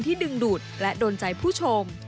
ดึงดูดและโดนใจผู้ชม